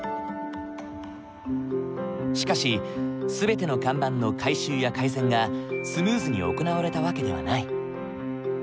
しかし全ての看板の改修や改善がスムーズに行われた訳ではない。